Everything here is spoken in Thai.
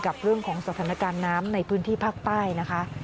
กับเรื่องของสถานการณ์น้ำในพื้นที่ภาคใต้นะคะ